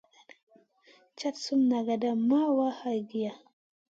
Cad sum nagada maya halgiy.